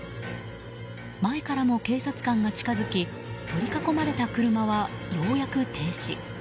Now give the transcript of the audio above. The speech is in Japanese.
前からも警察官が近づき取り囲まれた車はようやく停止。